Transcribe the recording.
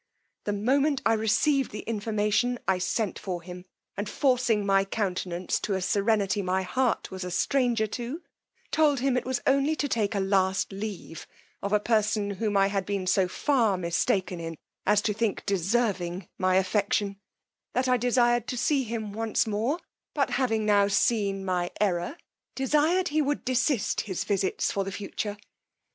The moment I received the information I sent for him; and forcing my countenance to a serenity my heart was a stranger to, told him it was only to take a last leave of a person whom I had been so far mistaken in as to think deserving my affection: that I desired to see him once more, but having now seen my error, desired he would desist his visits for the future.